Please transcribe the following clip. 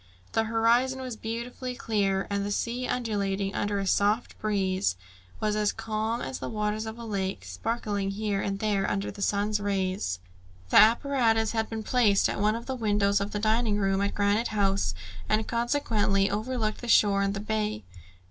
The horizon was beautifully clear, and the sea, undulating under a soft breeze, was as calm as the waters of a lake, sparkling here and there under the sun's rays. The apparatus had been placed at one of the windows of the dining room at Granite House, and consequently overlooked the shore and the bay.